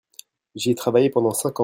J'y ai travaillé pendant cinq ans.